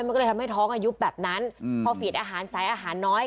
มันก็เลยทำให้ท้องอายุแบบนั้นพอฝีดอาหารสายอาหารน้อย